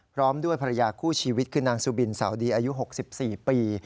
พร้อมด้วยภรรยาคู่ชีวิตคือนางสุบินสาวดีอายุ๖๔ปี